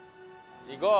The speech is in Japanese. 行こう！